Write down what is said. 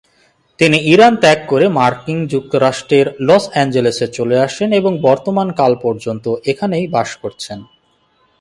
তিনি ইরান ত্যাগ করে মার্কিন যুক্তরাষ্ট্রের লস অ্যাঞ্জেলেসে চলে আসেন এবং বর্তমান কাল পর্যন্ত এখানেই বাস করছেন।